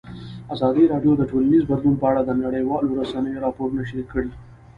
ازادي راډیو د ټولنیز بدلون په اړه د نړیوالو رسنیو راپورونه شریک کړي.